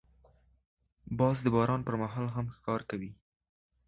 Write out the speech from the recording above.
باز د باران پر مهال هم ښکار کوي